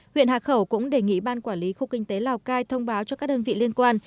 huyện hà khẩu cũng đề nghị ban quản lý khu kinh tế lào cai thông báo cho các đơn vị liên quan